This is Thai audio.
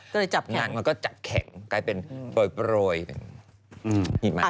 ก็เลยจับแขนมันก็จับแข็งกลายเป็นโปรยเป็นหิมะ